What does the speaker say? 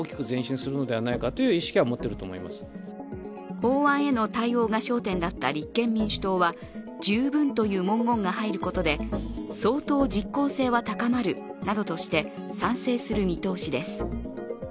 法案への対応が焦点だった立憲民主党は「十分」という文言が入ることで相当実効性は高まるなどとして賛成する見通しです。